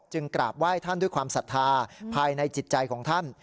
กราบไหว้ท่านด้วยความศรัทธาภายในจิตใจของท่าน